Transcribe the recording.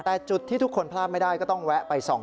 แต่จุดที่ทุกคนพลาดไม่ได้ก็ต้องแวะไปส่อง